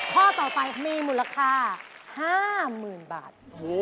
ข้อต่อไปมีมูลค่า๕๐๐๐๐บาท